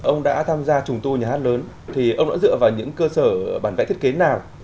ông đã tham gia trùng tu nhà hát lớn thì ông đã dựa vào những cơ sở bản vẽ thiết kế nào